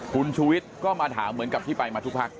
คุณชูวิทย์ก็มาถามเหมือนกับที่ไปมาทุกพัก